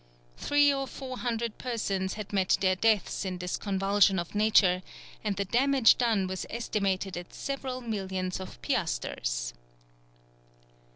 Three or four hundred persons had met their deaths in this convulsion of nature, and the damage done was estimated at several millions of piastres.